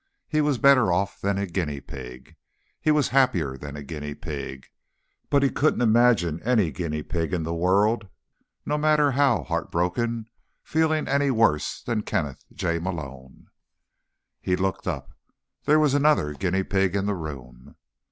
He was better off than a guinea pig. He was happier than a guinea pig. But he couldn't imagine any guinea pig in the world, no matter how heartbroken, feeling any worse than Kenneth J. Malone. He looked up. There was another guinea pig in the room.